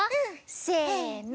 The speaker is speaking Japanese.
せの。